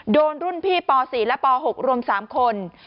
โดนรุ่นพี่ป๔และป๖รวม๓คน